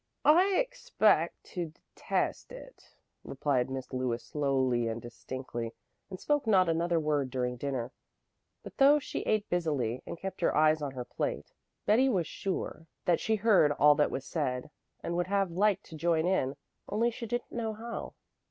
"I expect to detest it," replied Miss Lewis slowly and distinctly, and spoke not another word during dinner. But though she ate busily and kept her eyes on her plate, Betty was sure that she heard all that was said, and would have liked to join in, only she didn't know how.